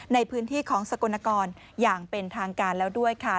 ในพื้นที่ของสกลนกรอย่างเป็นทางการแล้วด้วยค่ะ